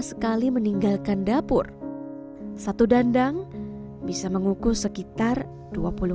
sekali meninggalkan dapur satu dandang bisa mengukuh sekitar dua puluh